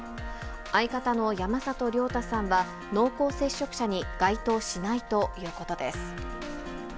相方の山里亮太さんは、濃厚接触者に該当しないということです。